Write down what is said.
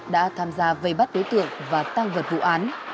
đã tham gia vây bắt đối tượng và tăng vật vụ án